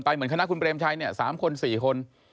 เหมือนคณะคุณเปรมชัยเนี่ย๓คน๔คน